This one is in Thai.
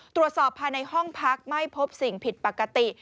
ตรวจสอบภายในห้องพักไม่พบสิ่งผิดปกติ